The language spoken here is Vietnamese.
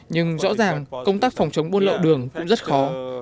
nhưng rõ ràng công tác phòng chống buôn lậu đường cũng rất khó